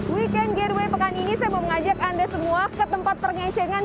weekend gateway pekan ini saya mau mengajak anda semua ke tempat pengecengan